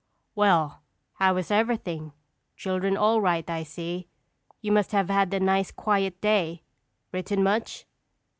_ Well, how is everything? Children all right, I see. You must have had a nice, quiet day. Written much?